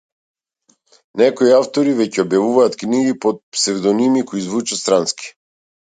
Некои автори веќе објавуваат книги под псевдоними кои звучат странски.